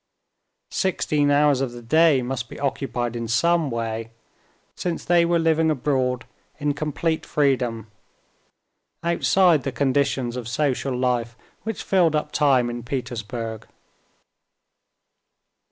Sixteen hours of the day must be occupied in some way, since they were living abroad in complete freedom, outside the conditions of social life which filled up time in Petersburg.